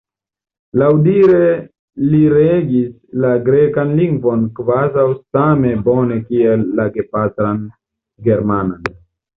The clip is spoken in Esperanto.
Laŭdire li regis la grekan lingvon kvazaŭ same bone kiel la gepatran germanan.